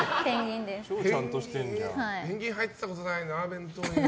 ペンギン入ってたことないな